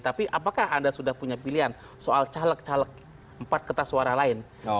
tapi apakah anda sudah punya pilihan soal caleg caleg empat kertas suara lain